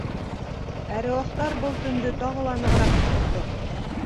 Әруахтар был төндө тағы ла нығыраҡ ҡоторҙо.